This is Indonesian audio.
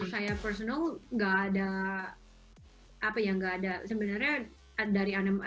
saya personal tidak ada apa yang tidak ada